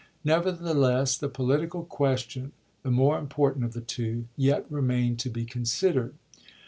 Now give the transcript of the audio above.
Nevertheless, the political question, the more im portant of the two, yet remained to be considered.